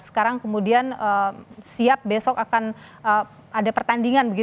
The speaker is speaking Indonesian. sekarang kemudian siap besok akan ada pertandingan